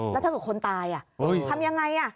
แล้วถ้าเกิดคนตายทำยังไง